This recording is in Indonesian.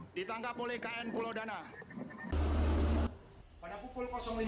ditangkap oleh kn pulau dana